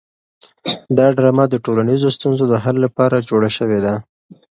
دا ډرامه د ټولنیزو ستونزو د حل لپاره جوړه شوې ده.